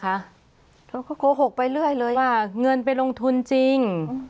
เขาก็โกหกไปเรื่อยเลยว่าเงินไปลงทุนจริง